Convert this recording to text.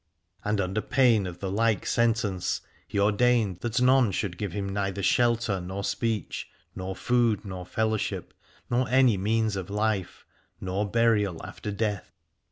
And under pain of the like 3U Aladore sentence he ordained that none should give him neither shelter nor speech, nor food nor fellowship, nor any means of life nor burial after death.